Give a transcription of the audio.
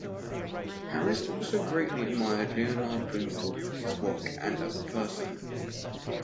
Harris also greatly admired Leonard Bloomfield for his work and as a person.